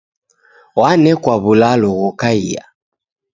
W'anekwa w'ulalo ghokaia